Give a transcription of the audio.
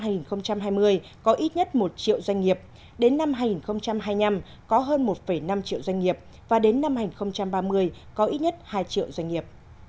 năm hai nghìn hai mươi có ít nhất một triệu doanh nghiệp đến năm hai nghìn hai mươi năm có hơn một năm triệu doanh nghiệp và đến năm hai nghìn ba mươi có ít nhất hai triệu doanh nghiệp